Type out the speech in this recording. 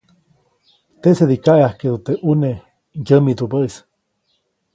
Teʼsedi kaʼeʼajkeʼdu teʼ ʼune ŋgyämidubäʼis.